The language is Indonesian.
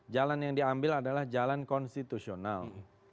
jalan yang diambil adalah jalan konstitusional